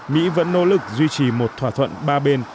mỹ vẫn nỗ lực duy trì một thỏa thuận ba bên